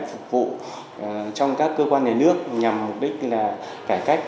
phục vụ trong các cơ quan nhà nước nhằm mục đích là cải cách